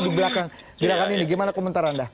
di belakang gimana komentar anda